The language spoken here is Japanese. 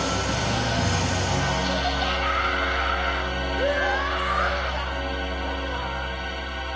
うわ！